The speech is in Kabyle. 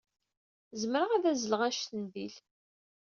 Zemreɣ ad azzleɣ anect n Bill.